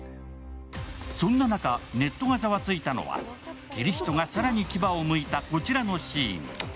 そんな中、ネットがざわついたのはキリヒトが更に牙をむいたこちらのシーン。